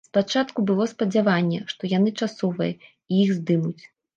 Спачатку было спадзяванне, што яны часовыя, і іх здымуць.